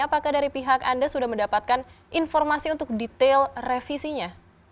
apakah dari pihak anda sudah mendapatkan informasi untuk detail revisinya